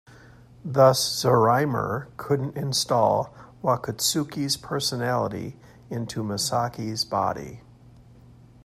Thus, Zeorymer couldn't install Wakatsuki's personality into Masaki's body.